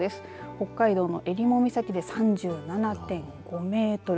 北海道のえりも岬で３７．５メートル。